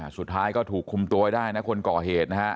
สุดท้ายก็ถูกคุมตัวไว้ได้นะคนก่อเหตุนะฮะ